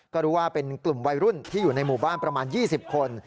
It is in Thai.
ก็รู้ว่าเป็นกลุ่มวัยรุ่นที่อยู่ในหมู่บ้านประมาณ๒๐คน